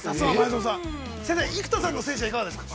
先生、生田さんの戦士はいかがですか。